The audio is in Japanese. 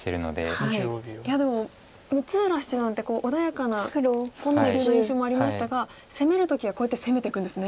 いやでも六浦七段って穏やかな棋風の印象もありましたが攻める時はこうやって攻めていくんですね。